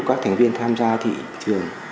các thành viên tham gia thị trường